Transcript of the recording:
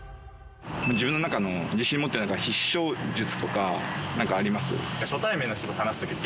自分の中の自信持ってる必勝術とかあります？